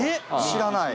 知らない？